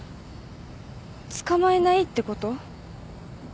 捕まえないって事？